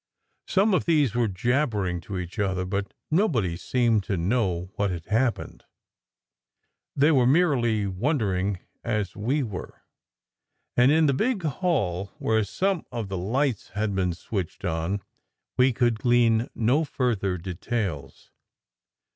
Some of these were jabbering to each other, but nobody seemed to know what had hap pened. They were merely wondering, as we were; and in the big hall, where some of the lights had been switched on, we could glean no further details.